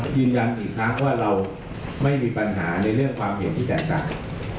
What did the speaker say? ยืนยันอีกครั้งว่าเราไม่มีปัญหาในเรื่องความเห็นที่แตกต่าง